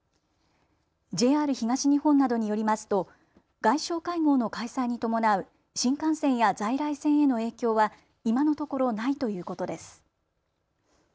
ＪＲ東日本などによりますと外相会合の開催に伴う新幹線や在来線への影響は今のところないということです。